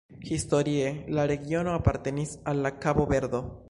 Historie la regiono apartenis al la Kabo-Verdo.